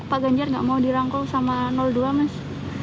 pak ganjar gak mau dirangkul sama dua mas